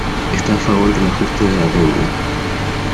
Está a favor del ajuste de la deuda.